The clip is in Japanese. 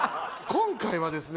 今回はですね